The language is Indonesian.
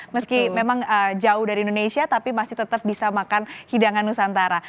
meski memang jauh dari indonesia tapi masih tetap bisa makan hidangan nusantara